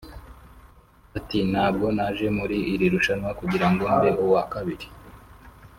Ati “Ntabwo naje muri iri rushanwa kugira ngo mbe uwa kabiri